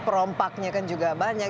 perompaknya kan juga banyak